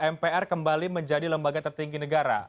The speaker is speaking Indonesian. mpr kembali menjadi lembaga tertinggi negara